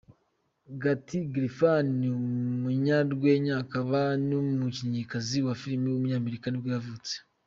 Kathy Griffin, umunyarwenya akaba n’umukinnyikazi wa filime w’umunyamerika nibwo yavutse.